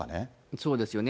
そうですよね。